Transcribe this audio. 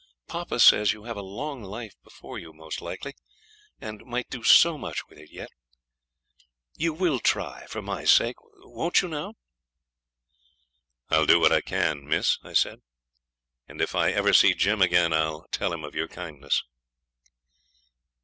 Papa says you have a long life before you most likely, and might do so much with it yet. You will try, for my sake; won't you now?' 'I'll do what I can, miss,' I said; 'and if I ever see Jim again I'll tell him of your kindness.'